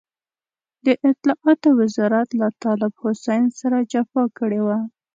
د اطلاعاتو وزارت له طالب حسين سره جفا کړې وه.